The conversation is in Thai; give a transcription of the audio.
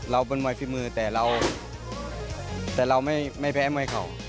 เราเป็นมวยฟิมือแต่เราไม่แพ้มวยเข่า